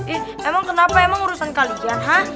eh emang kenapa emang urusan kalian ha